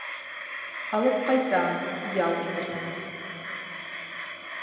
Алып ҡайтам, ял итерһең.